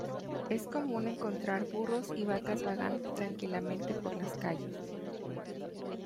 Es común encontrar burros y vacas vagando tranquilamente por las calles.